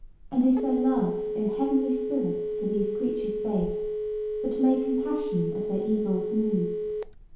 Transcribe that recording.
and is there love In heavenly spirits to these creatures base That may compassion of their evils move?